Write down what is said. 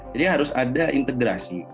jadi harus ada integrasi